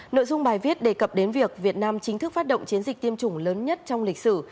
nội dung bài viết đề cập đến việc việt nam chính thức phát động chiến dịch tiêm chủng lớn nhất trong lịch sử